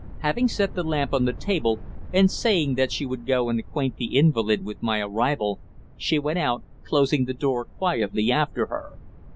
Having set the lamp on the table, and saying that she would go and acquaint the invalid with my arrival, she went out, closing the door quietly after her.